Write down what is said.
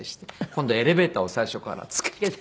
今度エレベーターを最初からつけて。